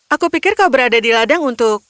aku pikir kau berada di ladang untuk